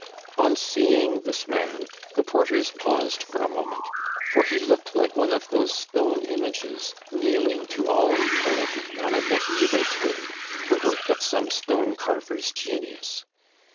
On seeing this man, the porters paused for a moment, for he looked like one of those stone images, kneeling to all eternity on a mediaeval tomb, the work of some stone carver's genius.